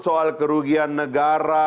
soal kerugian negara